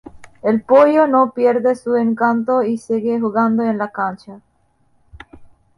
El pollo no pierde su encanto y sigue jugando en la cancha.